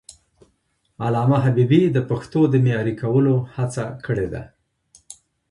علامه حبيبي د پښتو د معیاري کولو هڅه کړې ده.